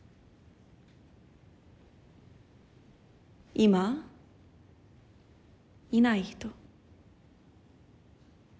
今いない人。